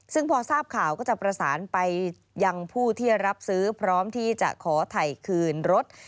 ซึ่งพอทราบข่าวก็จะประสานไปยังผู้ที่รับซื้อพร้อมที่จะขอถ่ายคืนรถ